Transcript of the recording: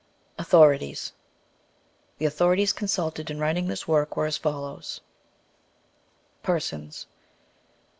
AUTHORITIES. THE authorities consulted in writing this work were as fol lows : PERSONS.